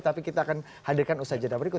tapi kita akan hadirkan usaha jadwal berikut